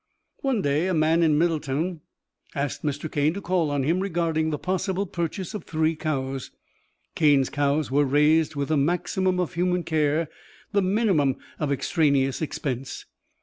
One day a man in Middletown asked Mr. Cane to call on him regarding the possible purchase of three cows. Cane's cows were raised with the maximum of human care, the minimum of extraneous expense.